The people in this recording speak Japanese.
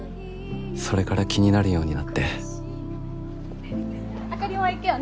それから気になるようになってあかりも行くよね？